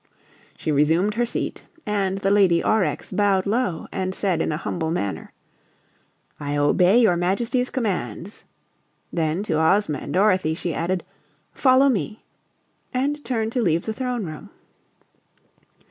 She resumed her seat and the Lady Aurex bowed low and said in a humble manner: "I obey your Majesty's commands." Then to Ozma and Dorothy she added, "Follow me," and turned to leave the throne room.